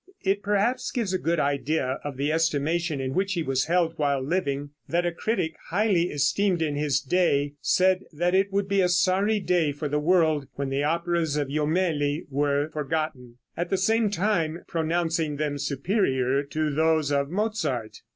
It perhaps gives a good idea of the estimation in which he was held while living, that a critic highly esteemed in his day said that it would be a sorry day for the world when the operas of Jomelli were forgotten, at the same time pronouncing them superior to those of Mozart.